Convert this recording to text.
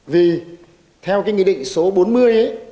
vì theo cái nghị định số bốn mươi ấy